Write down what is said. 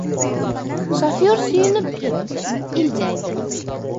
Shofyor suyunib ketdi. Iljaydi.